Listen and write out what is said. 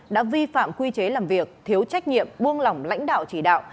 đã vi phạm quy chế làm việc thiếu trách nhiệm buông lỏng lãnh đạo chỉ đạo